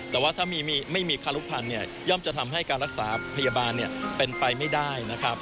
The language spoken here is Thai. แต่ว่าถ้าไม่มีคารุพันธ์ย่อมจะทำให้การรักษาพยาบาลเป็นไปไม่ได้นะครับ